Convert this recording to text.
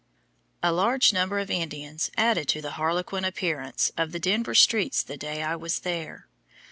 A large number of Indians added to the harlequin appearance of the Denver streets the day I was there.